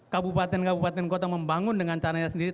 kabupaten kabupaten kota membangun dengan caranya sendiri